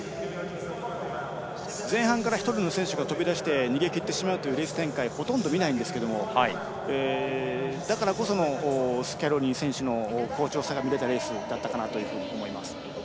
前半から１人の選手が抜け出して逃げ切ってしまうというレース展開はほとんど見ないんですがだからこそのスキャローニ選手の好調さが見れたレースだったかなと思います。